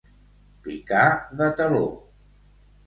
Picar de taló.